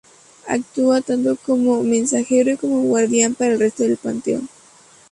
Actúa tanto como mensajero y como guardián para el resto del panteón.